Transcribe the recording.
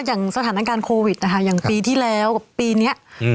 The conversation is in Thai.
อย่างสถานการณ์โควิดนะคะอย่างปีที่แล้วกับปีเนี้ยอืม